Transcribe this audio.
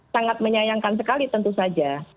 sangat menyayangkan sekali tentu saja